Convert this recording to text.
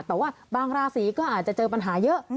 แต่ว่าบางราศีก็อาจจะเจอปัญหาเยอะ